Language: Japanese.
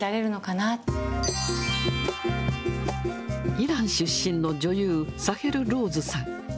イラン出身の女優、サヘル・ローズさん。